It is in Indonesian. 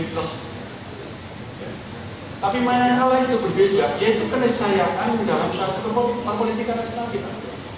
tapi mainan hal lain itu berbeda yaitu kenesayaan dalam syarat kepolitisikan dan keadilan